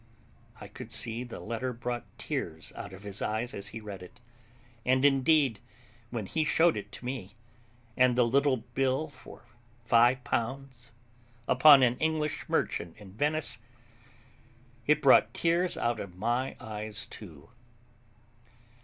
I could see the letter brought tears out of his eyes as he read it; and, indeed, when he showed it to me, and the little bill for five pounds, upon an English merchant in Venice, it brought tears out of my eyes too.